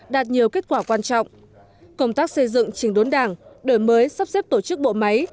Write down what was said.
đạt nhiều kết quả quan trọng công tác xây dựng trình đốn đảng đổi mới sắp xếp tổ chức bộ máy